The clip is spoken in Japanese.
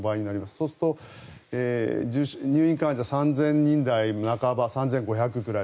そうすると入院患者３０００人台半ば３５００人ぐらい。